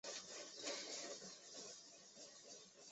腺毛蹄盖蕨为蹄盖蕨科蹄盖蕨属下的一个种。